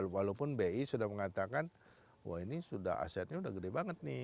walaupun bi sudah mengatakan wah ini sudah asetnya udah gede banget nih